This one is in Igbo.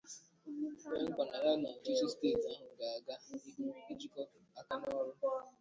kwe nkwà na ya na ọchịchị steeti ahụ ga-aga n'ihu ijikọ aka n'ọrụ.